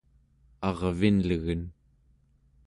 arvinlegen